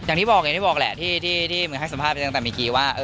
อย่างที่บอกแหละที่มึงให้สัมภาษณ์กันตั้งแต่มีกี่ว่า